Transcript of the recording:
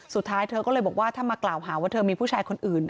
เธอก็เลยบอกว่าถ้ามากล่าวหาว่าเธอมีผู้ชายคนอื่น